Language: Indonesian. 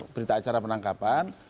berita acara penangkapan